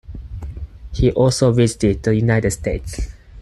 He also visited the United States.